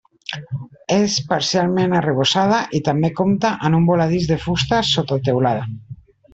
És parcialment arrebossada i també compta amb un voladís de fusta sota teulada.